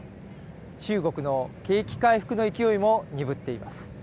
中国の景気回復の勢いも鈍っています。